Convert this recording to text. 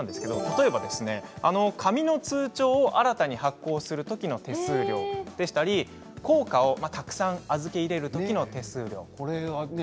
紙の通帳を新たに発行するときの手数料だったり硬貨をたくさん預け入れるときの手数料。